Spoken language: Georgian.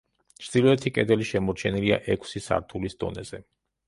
ჩრდილოეთი კედელი შემორჩენილია ექვსი სართულის დონეზე.